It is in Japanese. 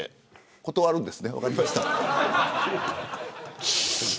断るんですね、分かりました。